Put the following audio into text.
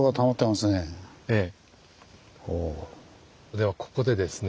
ではここでですね